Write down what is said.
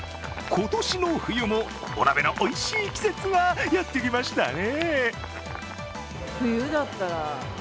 今年の冬も、お鍋のおいしい季節がやってきましたね。